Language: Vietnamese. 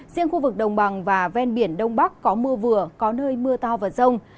riêng khu vực đồng bằng và ven biển đông bắc có mưa vừa có nơi mưa to và rông